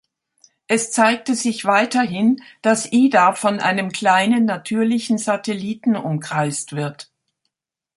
Es zeigte sich weiterhin, dass Ida von einem kleinen natürlichen Satelliten umkreist wird.